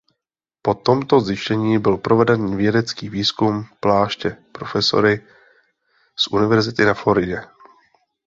Po tomto zjištění byl proveden vědecký výzkum pláště profesory z univerzity na Floridě.